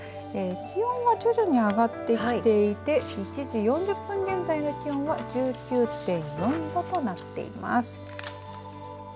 気温は徐々に上がってきていて１時４０分現在の気温は１９．４度となっています。